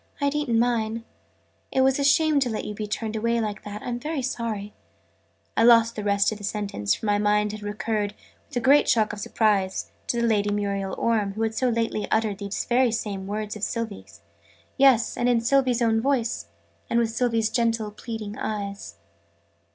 "I'd eaten mine. It was a shame to let you be turned away like that. I'm very sorry " I lost the rest of the sentence, for my mind had recurred, with a great shock of surprise, to Lady Muriel Orme, who had so lately uttered these very words of Sylvie's yes, and in Sylvie's own voice, and with Sylvie's gentle pleading eyes!